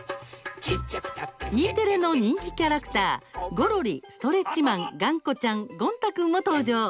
Ｅテレの人気キャラクターゴロリ、ストレッチマンがんこちゃん、ゴン太くんも登場。